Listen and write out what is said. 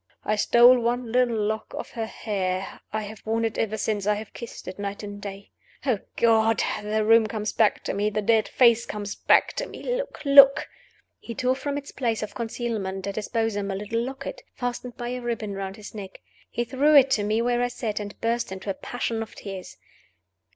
I stole one little lock of her hair. I have worn it ever since; I have kissed it night and day. Oh, God! the room comes back to me! the dead face comes back to me! Look! look!" He tore from its place of concealment in his bosom a little locket, fastened by a ribbon around his neck. He threw it to me where I sat, and burst into a passion of tears.